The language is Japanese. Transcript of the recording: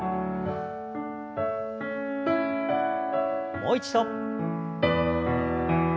もう一度。